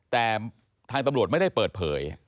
แต่ทางตำรวจไม่ได้เปิดเผย